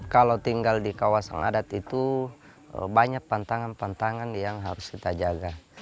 kalau tinggal di kawasan adat itu banyak tantangan tantangan yang harus kita jaga